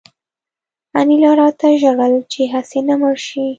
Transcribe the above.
انیلا راته ژړل چې هسې نه مړ شې